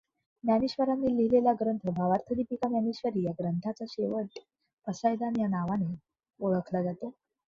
ज्ञानेश्वरांनी लिहिलेले ग्रंथ भावार्थदीपिका ज्ञानेश्वरी या ग्रंथाचा शेवट पसायदान या नावाने ओळखला जातो.